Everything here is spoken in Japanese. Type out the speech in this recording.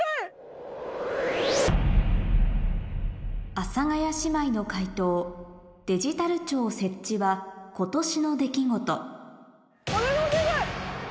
阿佐ヶ谷姉妹の解答デジタル庁設置は今年の出来事お願いお願い！